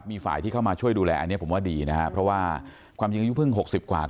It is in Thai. มีฝ่ายที่เข้ามาช่วยดูแลอันนี้ผมว่าดีนะฮะเพราะว่าความจริงอายุเพิ่ง๖๐กว่า